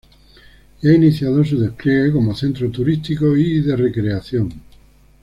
Y ha iniciado su despliegue como centro turístico y de recreación.